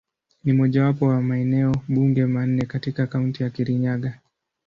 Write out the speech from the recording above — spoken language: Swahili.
Ni mojawapo wa maeneo bunge manne katika Kaunti ya Kirinyaga.